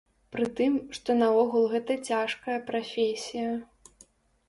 Прытым, што наогул гэта цяжкая прафесія.